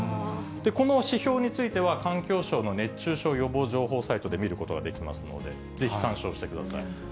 この指標については、環境省の熱中症予防情報サイトで見ることができますので、ぜひ参照してください。